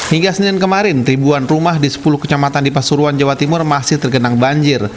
hingga senin kemarin ribuan rumah di sepuluh kecamatan di pasuruan jawa timur masih tergenang banjir